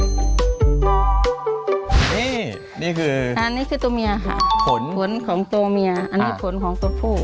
นี่นี่คืออันนี้คือตัวเมียค่ะผลผลของตัวเมียอันนี้ผลของตัวผู้